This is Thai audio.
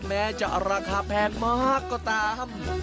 แม้จะราคาแพงมากก็ตาม